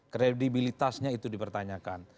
kredibilitasnya itu dipertanyakan